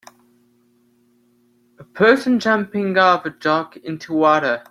A person jumping off a dock into water.